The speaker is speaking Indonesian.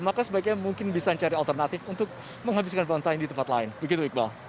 maka sebaiknya mungkin bisa cari alternatif untuk menghabiskan bantai di tempat lain begitu iqbal